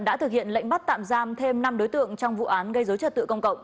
đã thực hiện lệnh bắt tạm giam thêm năm đối tượng trong vụ án gây dối trật tự công cộng